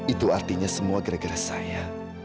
itu artinya semua gara gara saya